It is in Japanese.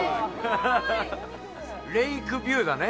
レイクビューだね。